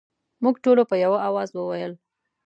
موږ ټولو په یوه اواز وویل.